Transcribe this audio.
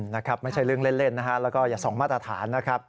นะครับไม่ใช่เรื่องเล่นนะฮะแล้วก็อย่าส่องมาตรฐานนะครับ